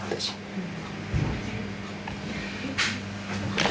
うん。